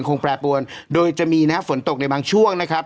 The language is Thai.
แปรปวนโดยจะมีนะครับฝนตกในบางช่วงนะครับ